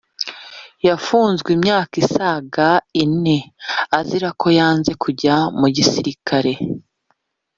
yafunzwe imyaka isaga ine azira ko yanze kujya mu gisirikare